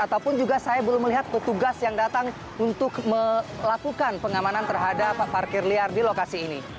ataupun juga saya belum melihat petugas yang datang untuk melakukan pengamanan terhadap parkir liar di lokasi ini